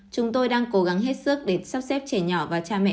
chúng tôi đang cố gắng hết sức để sắp xếp trẻ nhỏ và cha mẹ